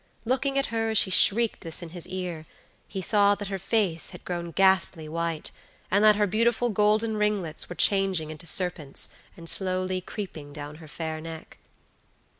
Looking at her as she shrieked this in his ear, he saw that her face had grown ghastly white, and that her beautiful golden ringlets were changing into serpents, and slowly creeping down her fair neck.